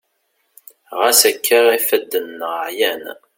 ɣas akka ifadden-nneɣ ɛyan